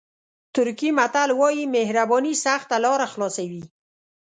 ترکي متل وایي مهرباني سخته لاره خلاصوي.